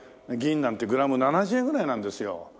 銀なんてグラム７０円ぐらいなんですよ。